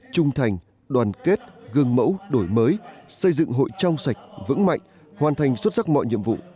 trung thành đoàn kết gương mẫu đổi mới xây dựng hội trong sạch vững mạnh hoàn thành xuất sắc mọi nhiệm vụ